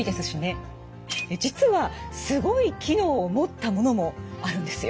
実はすごい機能を持ったものもあるんですよ。